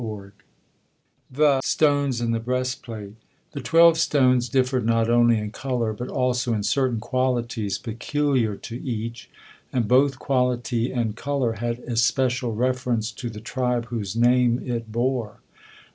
THE STONES IN THE BREASTPLATE The twelve stones differed not only in color, but also in certain qualities peculiar to each, and both quality and color had especial reference to the tribe whose name it bore.